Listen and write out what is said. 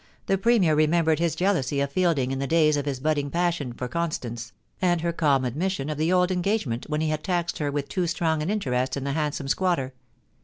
The Premier remembered his jealousy of Fielding in the days of his budding passion for Constance, and her calm admission of the old engage ment when he had taxed her with too strong an interest in the handsome squatter.